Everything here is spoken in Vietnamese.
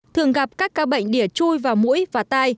thường gặp các ca bệnh đỉa chui vào mũi và tai